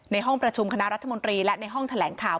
ห้องประชุมคณะรัฐมนตรีและในห้องแถลงข่าว